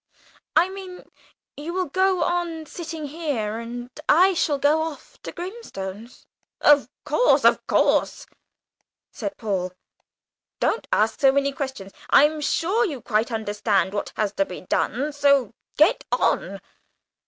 "I mean you will go on sitting here, and I shall go off to Grimstone's?" "Of course, of course," said Paul; "don't ask so many questions. I'm sure you quite understand what has to be done, so get on.